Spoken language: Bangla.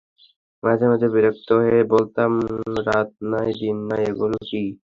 মাঝে মাঝে বিরক্ত হয়ে বলতাম, রাত নাই, দিন নাই এগুলো কী।